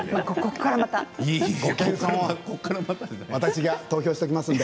私が投票しておきますので。